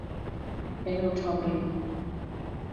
Beni utandırma.